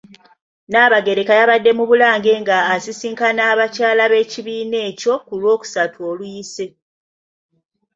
Nnaabagereka yabadde mu Bulange nga asisinkana abakyala b'ekibiina ekyo ku lwokusatu oluyise.